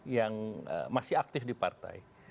yang masih aktif di partai